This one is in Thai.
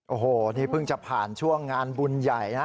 โอ้โหนี่เพิ่งจะผ่านช่วงงานบุญใหญ่นะ